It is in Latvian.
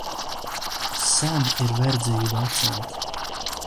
Sen ir verdzība atcelta.